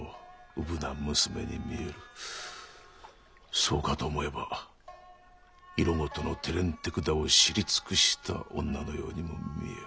そうかと思えば色ごとの手練手管を知り尽くした女のようにも見える。